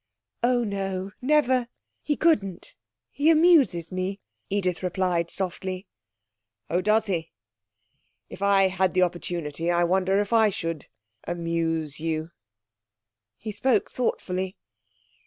'Oh no. Never. He couldn't. He amuses me,' Edith replied softly. 'Oh, does he?... If I had the opportunity I wonder if I should amuse you,' he spoke thoughtfully.